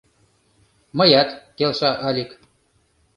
— Мыят, — келша Алик.